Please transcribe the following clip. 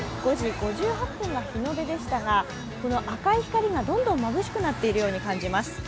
５時５８分が日の出でしたが赤いひかりがどんどんまぶしくなっているように感じます。